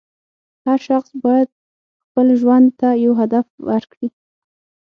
هر شخص باید خپل ژوند ته یو هدف ورکړي.